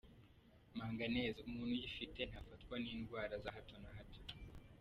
Manganese: umuntu uyifite ntafatwa n’indwara za hato na hato.